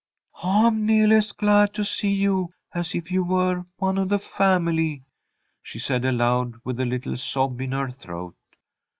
"I'm neahly as glad to see you as if you were one of the family," she said, aloud, with a little sob in her throat.